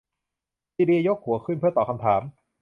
ซีเลียยกหัวขึ้นเพื่อตอบคำถาม